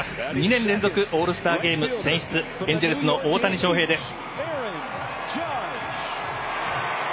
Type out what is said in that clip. ２年連続オールスターゲーム選出エンジェルスの大谷翔平です。